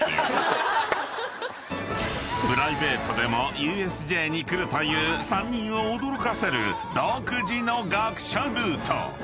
［プライベートでもＵＳＪに来るという３人を驚かせる独自の学者ルート］